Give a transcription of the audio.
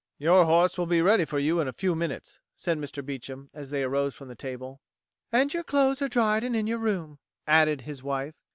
"Your horse will be ready for you in a few minutes," said Mr. Beecham as they arose from the table. "And your clothes are dried and in your room," added his wife.